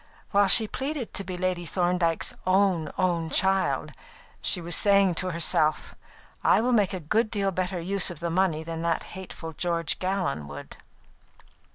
While she pleaded to be Lady Thorndyke's "own, own child," she was saying to herself: "I will make a good deal better use of the money than that hateful George Gallon would."